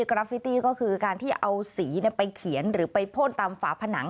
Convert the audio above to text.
ราฟิตี้ก็คือการที่เอาสีไปเขียนหรือไปพ่นตามฝาผนัง